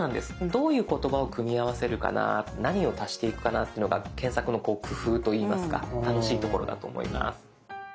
どういう言葉を組み合わせるかな何を足していくかなっていうのが検索の工夫といいますか楽しいところだと思います。